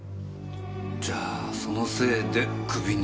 じゃあそのせいでクビに？